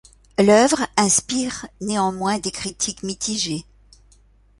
L'œuvre inspire néanmoins des critiques mitigées.